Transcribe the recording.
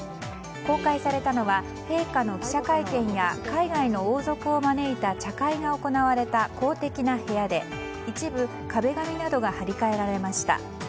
公開されたのは陛下の記者会見や海外の王族を招いた茶会が行われた公的な部屋で一部、壁紙などが貼り替えられました。